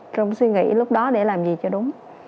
trong suy nghĩ lúc đó để làm gì cho đúng